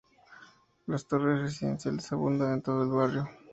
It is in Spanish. Las torres residenciales abundan en todo el barrio.